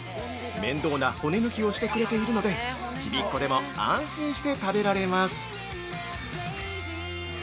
面倒な骨抜きをしてくれているので、ちびっ子でも安心して食べられます。